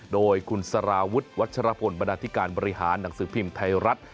โดยคุณสารวุฒิวัชรพลบรรดาธิการบริหารหนังสือพิมพ์ไทยรัฐ